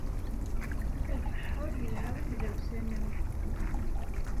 Abeḥḥer yelha i tdawsa-nnem.